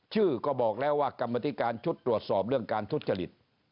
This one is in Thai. ชื่อก็บอกแล้วว่ากรรมธิการชุดตรวจสอบเรื่องการทุจริต